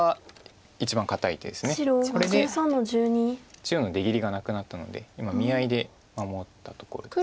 中央の出切りがなくなったので今見合いで守ったところです。